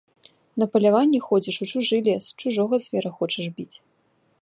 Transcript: На паляванне ходзіш у чужы лес, чужога звера хочаш біць.